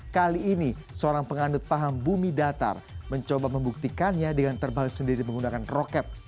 kali ini seorang pengandut paham bumi datar mencoba membuktikannya dengan terbang sendiri menggunakan roket